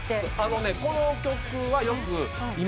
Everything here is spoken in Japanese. この曲はよく。